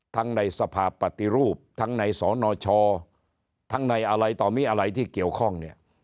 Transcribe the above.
ในสภาพปฏิรูปทั้งในสนชทั้งในอะไรต่อมีอะไรที่เกี่ยวข้องเนี่ย